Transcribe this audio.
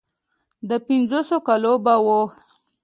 د پينځوسو کالو به و.